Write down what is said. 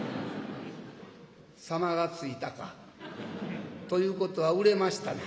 「様が付いたか。ということは売れましたな？」。